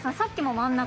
ど真ん中！